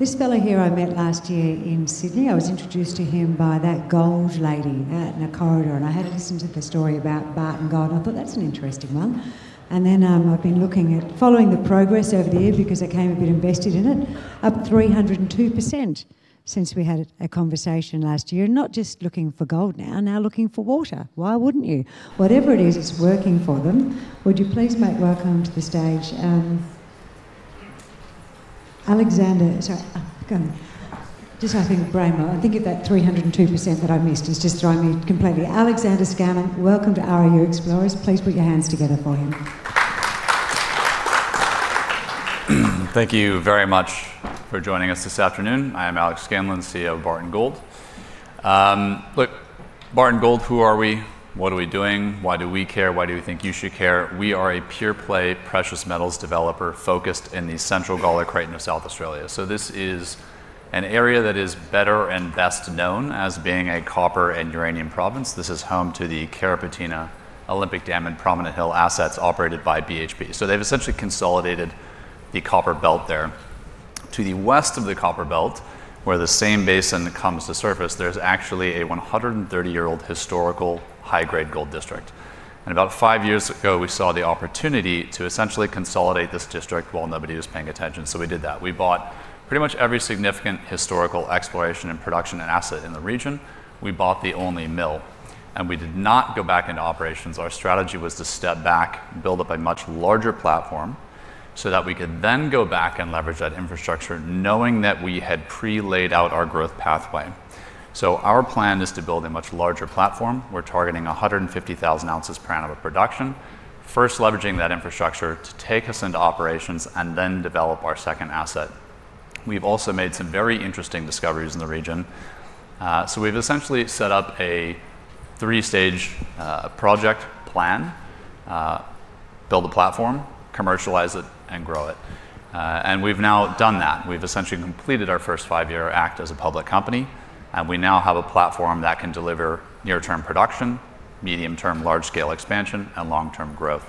This fellow here I met last year in Sydney. I was introduced to him by that gold lady out in a corridor, and I had a listen to the story about Barton Gold, and I thought, "That's an interesting one." And then, I've been following the progress over the year because I became a bit invested in it, up 302% since we had a conversation last year. Not just looking for gold now, now looking for water. Why wouldn't you? Whatever it is, it's working for them. Would you please make welcome to the stage, Alexander. Sorry, go on. Just having a brain melt. I think of that 302% that I've missed is just throwing me completely. Alexander Scanlon, welcome to RIU Explorers. Please put your hands together for him. Thank you very much for joining us this afternoon. I am Alex Scanlon, CEO of Barton Gold. Look, Barton Gold, who are we? What are we doing? Why do we care? Why do we think you should care? We are a pure-play, precious metals developer focused in the Central Gawler Craton of South Australia. This is an area that is better and best known as being a copper and uranium province. This is home to the Carrapateena, Olympic Dam, and Prominent Hill assets operated by BHP. They've essentially consolidated the copper belt there. To the west of the copper belt, where the same basin comes to surface, there's actually a 130-year-old historical high-grade gold district. About five years ago, we saw the opportunity to essentially consolidate this district while nobody was paying attention, so we did that. We bought pretty much every significant historical exploration and production asset in the region. We bought the only mill, and we did not go back into operations. Our strategy was to step back, build up a much larger platform, so that we could then go back and leverage that infrastructure, knowing that we had pre-laid out our growth pathway. So our plan is to build a much larger platform. We're targeting 150,000 ounces per annum of production, first leveraging that infrastructure to take us into operations and then develop our second asset. We've also made some very interesting discoveries in the region. So we've essentially set up a three-stage project plan: build a platform, commercialize it, and grow it. And we've now done that. We've essentially completed our first five-year act as a public company, and we now have a platform that can deliver near-term production, medium-term large-scale expansion, and long-term growth.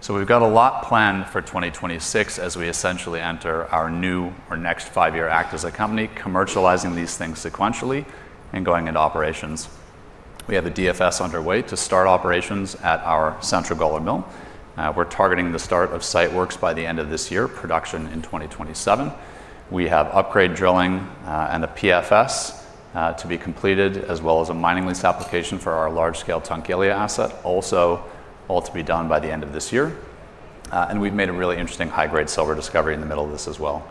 So we've got a lot planned for 2026 as we essentially enter our new or next five-year act as a company, commercializing these things sequentially and going into operations. We have a DFS underway to start operations at our Central Gawler Mill. We're targeting the start of site works by the end of this year, production in 2027. We have upgrade drilling and a PFS to be completed, as well as a mining lease application for our large-scale Tunkillia asset, also all to be done by the end of this year. And we've made a really interesting high-grade silver discovery in the middle of this as well.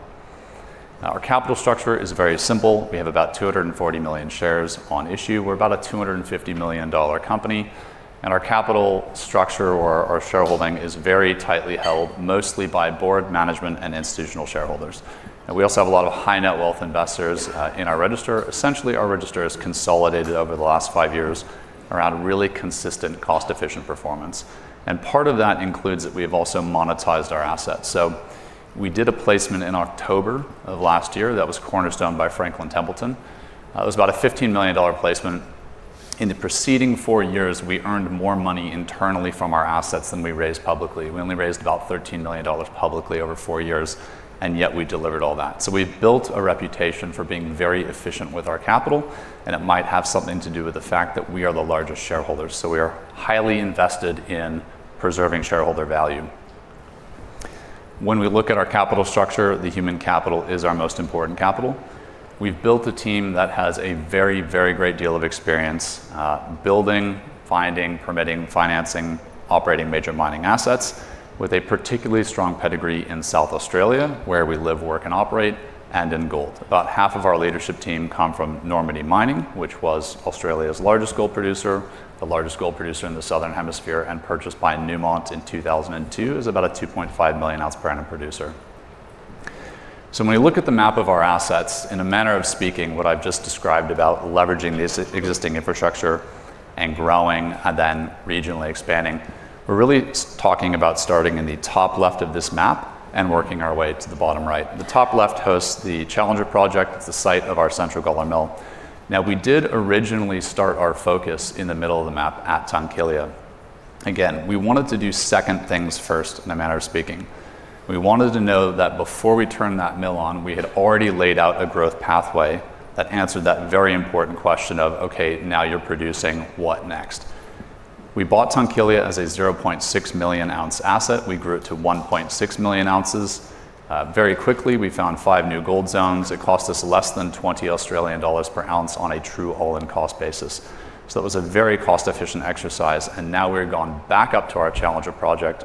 Now, our capital structure is very simple. We have about 240 million shares on issue. We're about a 250 million dollar company, and our capital structure or our shareholding is very tightly held, mostly by board management and institutional shareholders. We also have a lot of high-net-worth investors in our register. Essentially, our register has consolidated over the last five years around really consistent, cost-efficient performance, and part of that includes that we have also monetized our assets. We did a placement in October of last year that was cornerstoned by Franklin Templeton. It was about a 15 million dollar placement. In the preceding four years, we earned more money internally from our assets than we raised publicly. We only raised about 13 million dollars publicly over four years, and yet we delivered all that. So we've built a reputation for being very efficient with our capital, and it might have something to do with the fact that we are the largest shareholders, so we are highly invested in preserving shareholder value. When we look at our capital structure, the human capital is our most important capital. We've built a team that has a very, very great deal of experience, building, finding, permitting, financing, operating major mining assets with a particularly strong pedigree in South Australia, where we live, work, and operate, and in gold. About half of our leadership team come from Normandy Mining, which was Australia's largest gold producer, the largest gold producer in the Southern Hemisphere, and purchased by Newmont in 2002. It was about a 2.5 million ounce per annum producer. So when we look at the map of our assets, in a manner of speaking, what I've just described about leveraging the existing infrastructure and growing and then regionally expanding, we're really talking about starting in the top left of this map and working our way to the bottom right. The top left hosts the Challenger Project. It's the site of our Central Gawler Mill. Now, we did originally start our focus in the middle of the map at Tunkillia. Again, we wanted to do second things first, in a manner of speaking. We wanted to know that before we turned that mill on, we had already laid out a growth pathway that answered that very important question of, "Okay, now you're producing, what next?" We bought Tunkillia as a 0.6 million ounce asset. We grew it to 1.6 million ounces. Very quickly, we found five new gold zones. It cost us less than 20 Australian dollars per ounce on a true all-in cost basis. So that was a very cost-efficient exercise, and now we've gone back up to our Challenger Project.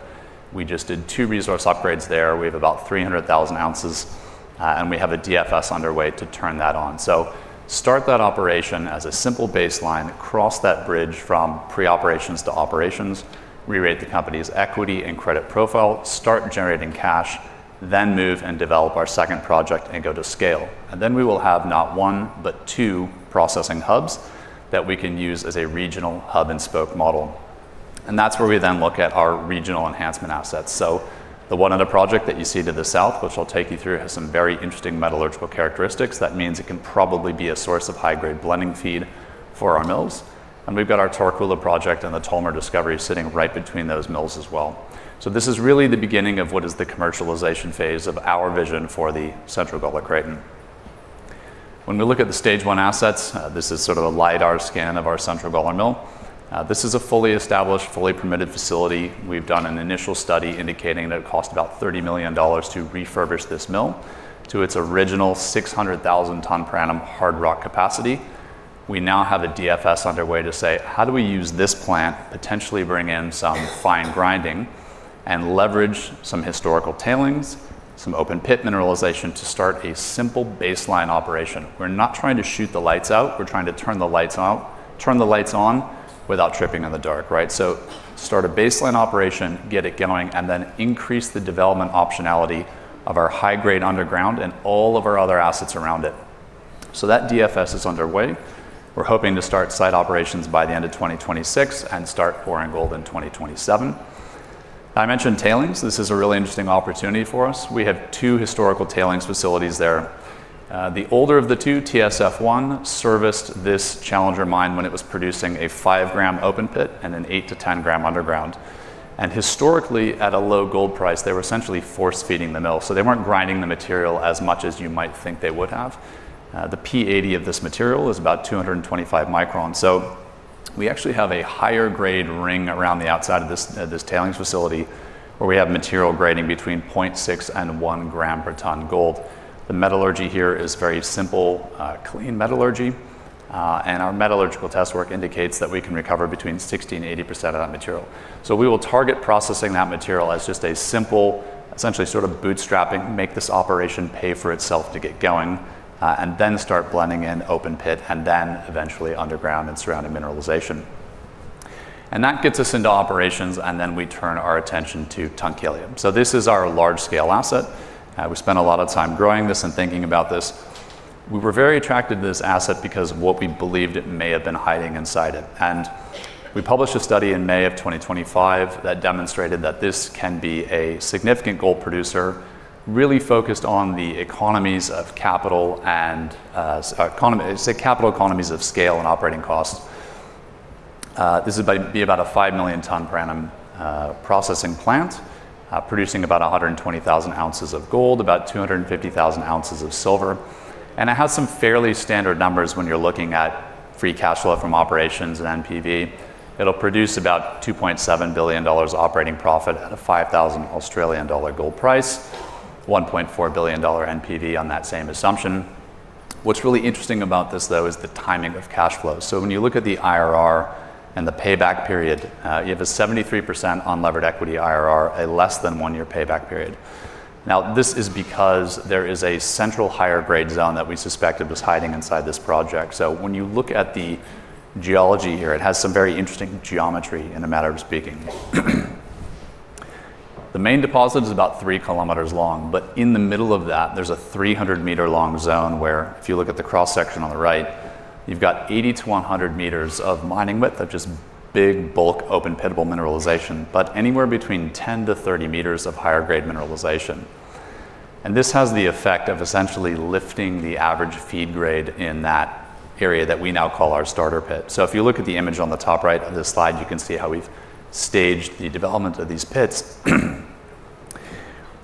We just did two resource upgrades there. We have about 300,000 ounces, and we have a DFS underway to turn that on. So start that operation as a simple baseline, cross that bridge from pre-operations to operations, re-rate the company's equity and credit profile, start generating cash, then move and develop our second project and go to scale. And then we will have not one, but two processing hubs that we can use as a regional hub-and-spoke model. And that's where we then look at our regional enhancement assets. So the one other project that you see to the south, which I'll take you through, has some very interesting metallurgical characteristics. That means it can probably be a source of high-grade blending feed for our mills, and we've got our Tarcoola Project and the Tolmer discovery sitting right between those mills as well. So this is really the beginning of what is the commercialization phase of our vision for the Central Gawler Craton. When we look at the stage one assets, this is sort of a LiDAR scan of our Central Gawler Mill. This is a fully established, fully permitted facility. We've done an initial study indicating that it cost about 30 million dollars to refurbish this mill to its original 600,000 ton per annum hard rock capacity. We now have a DFS underway to say: how do we use this plant, potentially bring in some fine grinding, and leverage some historical tailings, some open pit mineralization, to start a simple baseline operation? We're not trying to shoot the lights out, we're trying to turn the lights out, turn the lights on without tripping in the dark, right? So start a baseline operation, get it going, and then increase the development optionality of our high-grade underground and all of our other assets around it. So that DFS is underway. We're hoping to start site operations by the end of 2026 and start pouring gold in 2027. I mentioned tailings. This is a really interesting opportunity for us. We have two historical tailings facilities there. The older of the two, TSF 1, serviced this Challenger mine when it was producing a 5-gram open pit and an 8-10-gram underground. Historically, at a low gold price, they were essentially force-feeding the mill, so they weren't grinding the material as much as you might think they would have. The P80 of this material is about 225 microns. So we actually have a higher grade ring around the outside of this, this tailings facility, where we have material grading between 0.6-1 gram per tonne gold. The metallurgy here is very simple, clean metallurgy, and our metallurgical test work indicates that we can recover between 60%-80% of that material. So we will target processing that material as just a simple, essentially sort of bootstrapping, make this operation pay for itself to get going, and then start blending in open pit, and then eventually underground and surrounding mineralization. And that gets us into operations, and then we turn our attention to Tunkillia. So this is our large-scale asset. We spent a lot of time growing this and thinking about this. We were very attracted to this asset because of what we believed it may have been hiding inside it. And we published a study in May of 2025 that demonstrated that this can be a significant gold producer, really focused on the economies of capital and scale economy, say, capital economies of scale and operating costs. This would be about a 5 million tonne per annum processing plant, producing about 120,000 ounces of gold, about 250,000 ounces of silver. It has some fairly standard numbers when you're looking at free cash flow from operations and NPV. It'll produce about 2.7 billion dollars operating profit at a 5,000 Australian dollar gold price, 1.4 billion dollar NPV on that same assumption. What's really interesting about this, though, is the timing of cash flows. So when you look at the IRR and the payback period, you have a 73% unlevered equity IRR, a less than one year payback period. Now, this is because there is a central higher grade zone that we suspected was hiding inside this project. So when you look at the geology here, it has some very interesting geometry, in a matter of speaking. The main deposit is about 3 kilometers long, but in the middle of that, there's a 300 meter long zone where if you look at the cross-section on the right, you've got 80-100 meters of mining width of just big, bulk, open pitable mineralization, but anywhere between 10-30 meters of higher grade mineralization. And this has the effect of essentially lifting the average feed grade in that area that we now call our starter pit. So if you look at the image on the top right of this slide, you can see how we've staged the development of these pits.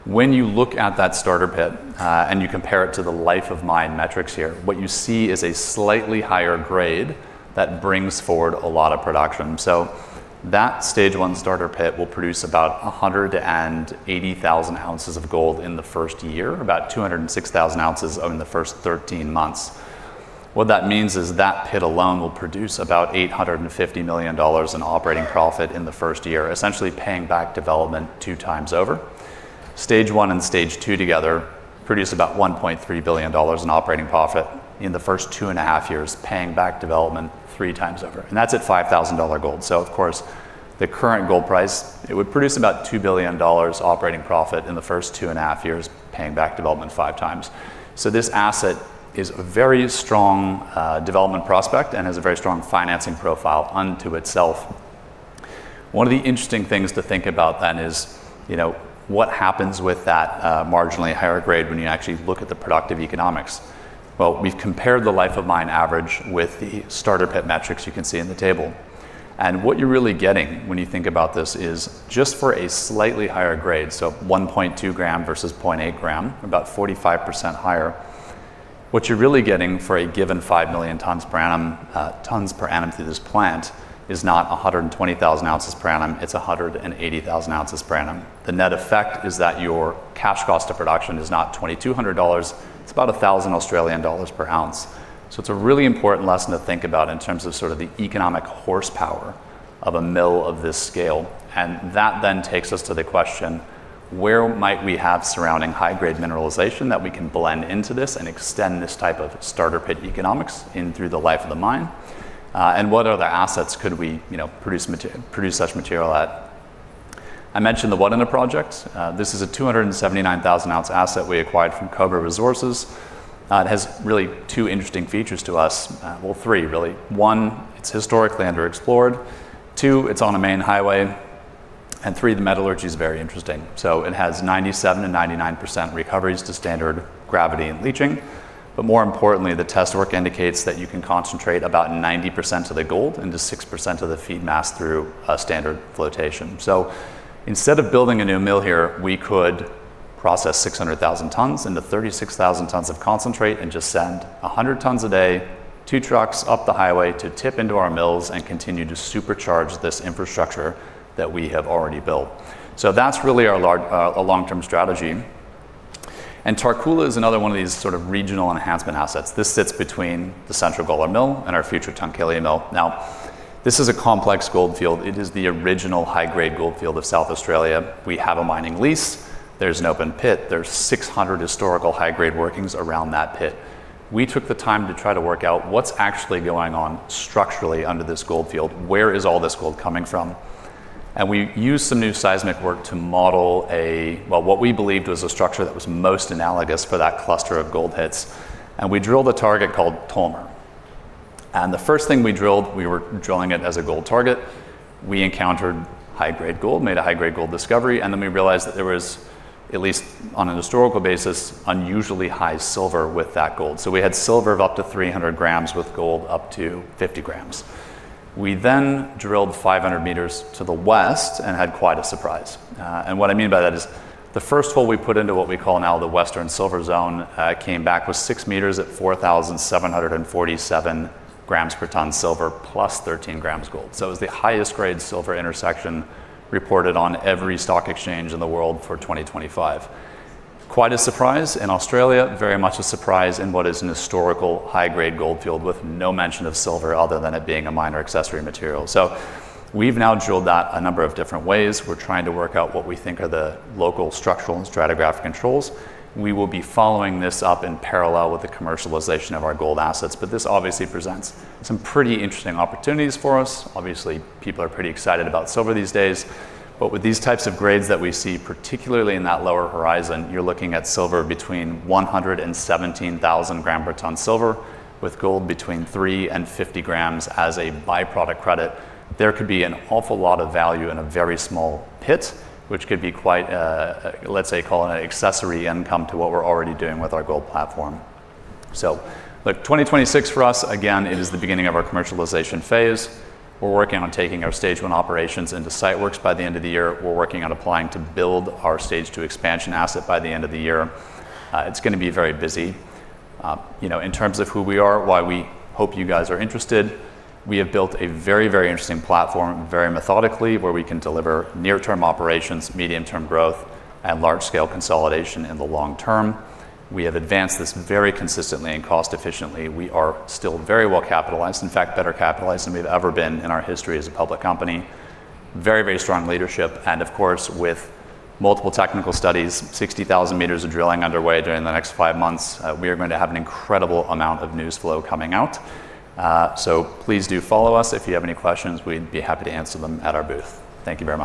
When you look at that starter pit, and you compare it to the life of mine metrics here, what you see is a slightly higher grade that brings forward a lot of production. So that stage one starter pit will produce about 180,000 ounces of gold in the first year, about 206,000 ounces over the first thirteen months. What that means is that pit alone will produce about $850 million in operating profit in the first year, essentially paying back development two times over. Stage one and stage two together produce about $1.3 billion in operating profit in the first two and a half years, paying back development three times over, and that's at $5,000 gold. So of course, the current gold price, it would produce about $2 billion operating profit in the first two and a half years, paying back development 5 times. So this asset is a very strong, development prospect and has a very strong financing profile unto itself. One of the interesting things to think about then is, you know, what happens with that, marginally higher grade when you actually look at the productive economics? Well, we've compared the life of mine average with the starter pit metrics you can see in the table. And what you're really getting when you think about this is just for a slightly higher grade, so 1.2 gram versus 0.8 gram, about 45% higher. What you're really getting for a given 5 million tonnes per annum, tonnes per annum through this plant, is not 120,000 ounces per annum, it's 180,000 ounces per annum. The net effect is that your cash cost of production is not 2,200 dollars, it's about 1,000 Australian dollars per ounce. It's a really important lesson to think about in terms of sort of the economic horsepower of a mill of this scale. That then takes us to the question: where might we have surrounding high-grade mineralization that we can blend into this and extend this type of starter pit economics in through the life of the mine? And what other assets could we, you know, produce mater produce such material at? I mentioned the Wudinna Project. This is a 279,000-ounce asset we acquired from Cobra Resources. It has really two interesting features to us. Well, three really. One, it's historically underexplored. Two, it's on a main highway... and three, the metallurgy is very interesting. So it has 97% and 99% recoveries to standard gravity and leaching. But more importantly, the test work indicates that you can concentrate about 90% of the gold into 6% of the feed mass through a standard flotation. So instead of building a new mill here, we could process 600,000 tons into 36,000 tons of concentrate and just send 100 tons a day, two trucks up the highway to tip into our mills and continue to supercharge this infrastructure that we have already built. So that's really our large, a long-term strategy. And Tarcoola is another one of these sort of regional enhancement assets. This sits between the Central Gawler Mill and our future Tunkillia mill. Now, this is a complex gold field. It is the original high-grade gold field of South Australia. We have a mining lease. There's an open pit. There's 600 historical high-grade workings around that pit. We took the time to try to work out what's actually going on structurally under this gold field, where is all this gold coming from? And we used some new seismic work to model a well, what we believed was a structure that was most analogous for that cluster of gold hits, and we drilled a target called Tolmer. And the first thing we drilled, we were drilling it as a gold target. We encountered high-grade gold, made a high-grade gold discovery, and then we realized that there was, at least on a historical basis, unusually high silver with that gold. So we had silver of up to 300 grams with gold up to 50 grams. We then drilled 500 meters to the west and had quite a surprise. And what I mean by that is the first hole we put into what we call now the Western Silver Zone came back with 6 meters at 4,747 grams per ton silver, plus 13 grams gold. So it was the highest grade silver intersection reported on every stock exchange in the world for 2025. Quite a surprise in Australia, very much a surprise in what is an historical high-grade gold field with no mention of silver other than it being a minor accessory material. We've now drilled that a number of different ways. We're trying to work out what we think are the local structural and stratigraphic controls. We will be following this up in parallel with the commercialization of our gold assets, but this obviously presents some pretty interesting opportunities for us. Obviously, people are pretty excited about silver these days, but with these types of grades that we see, particularly in that lower horizon, you're looking at silver between 100 and 17,000 gram per ton silver, with gold between 3 and 50 grams as a byproduct credit. There could be an awful lot of value in a very small pit, which could be quite, let's say, call it an accessory income to what we're already doing with our gold platform. Look, 2026 for us, again, it is the beginning of our commercialization phase. We're working on taking our stage one operations into site works by the end of the year. We're working on applying to build our stage two expansion asset by the end of the year. It's going to be very busy. You know, in terms of who we are, why we hope you guys are interested, we have built a very, very interesting platform, very methodically, where we can deliver near-term operations, medium-term growth, and large-scale consolidation in the long term. We have advanced this very consistently and cost efficiently. We are still very well capitalized, in fact, better capitalized than we've ever been in our history as a public company. Very, very strong leadership, and of course, with multiple technical studies, 60,000 meters of drilling underway during the next five months, we are going to have an incredible amount of news flow coming out. Please do follow us. If you have any questions, we'd be happy to answer them at our booth. Thank you very much.